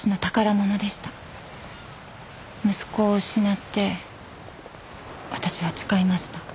息子を失って私は誓いました。